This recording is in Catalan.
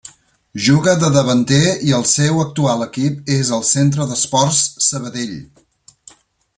Juga de davanter i el seu actual equip és el Centre d'Esports Sabadell.